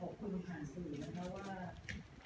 ขอบคุณครับ